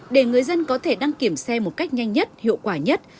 để người dân có thể đăng kiểm xe một cách nhanh nhất hiệu quả nhất